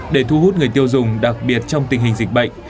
để thu hút người tiêu dùng đặc biệt trong tình hình dịch bệnh